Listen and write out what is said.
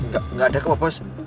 gak ada kok pak bos